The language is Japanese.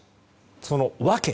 その訳。